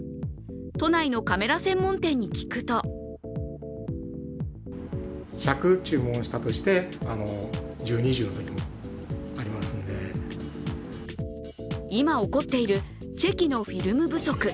都内のカメラ専門店に聞くと今起こっているチェキのフィルム不足。